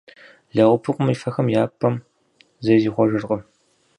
Лэгъупыкъум и фэхэм я пӏэм зэи зихъуэжыркъым.